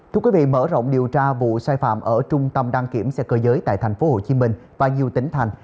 thưa quý vị mở rộng điều tra vụ sai phạm ở trung tâm đăng kiểm xe cơ giới tại tp hcm và nhiều tỉnh thành